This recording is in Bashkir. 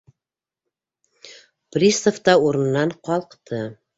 Пристав та урынынан ҡалҡты.